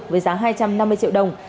với giá hai trăm năm mươi triệu đồng